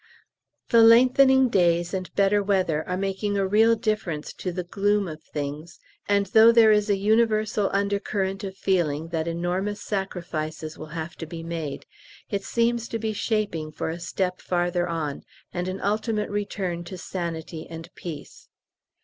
The lengthening days and better weather are making a real difference to the gloom of things, and though there is a universal undercurrent of feeling that enormous sacrifices will have to be made, it seems to be shaping for a step farther on, and an ultimate return to sanity and peace.